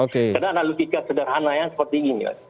karena analogika sederhana yang seperti ini